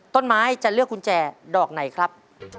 ต้นไม้จะเลือกกุญแจดอกไหนครับ